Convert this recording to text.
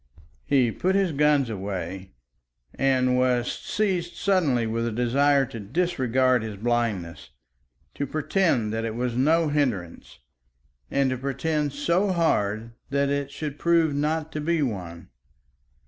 He put his guns away, and was seized suddenly with a desire to disregard his blindness, to pretend that it was no hindrance and to pretend so hard that it should prove not to be one.